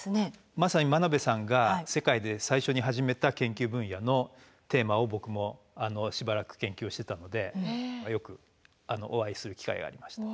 まさに真鍋さんが世界で最初に始めた研究分野のテーマを僕もしばらく研究してたのでよくお会いする機会がありました。